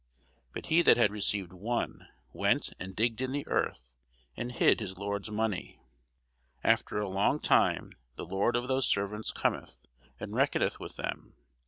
But he that had received one went and digged in the earth, and hid his lord's money. After a long time the lord of those servants cometh, and reckoneth with them.